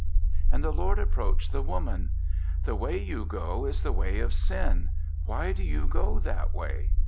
"And the Lord approached the woman: 'The way you go is the way of sin; why do you go that way?'